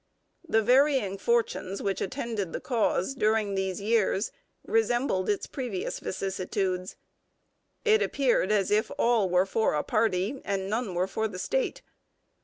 The varying fortunes which attended the cause during these years resembled its previous vicissitudes. It appeared as if all were for a party and none were for the state.